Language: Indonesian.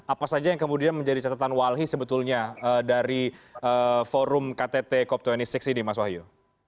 apa saja yang kemudian menjadi catatan walhi sebetulnya dari forum ktt cop dua puluh enam ini mas wahyu